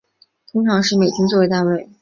通常是美金做为单位。